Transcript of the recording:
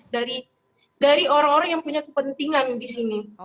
dari orang orang yang punya kepentingan di sini